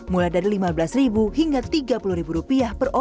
mulai dari rp lima belas hingga rp tiga puluh